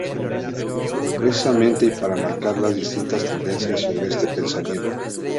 Precisamente y para marcar las distintas tendencias sobre este pensamiento.